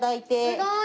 すごい！